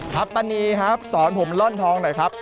ครับปันนีครับสอนผมร่อนทองหน่อยครับ